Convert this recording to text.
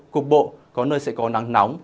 cục bộ có nơi sẽ có nắng nóng